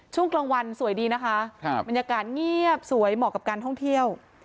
ช่วงกลางวันสวยดีนะคะบรรยากาศเงียบสวยเหมาะกับการท่องเที่ยว